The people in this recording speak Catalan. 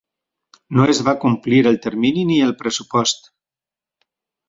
No es va complir el termini ni el pressupost.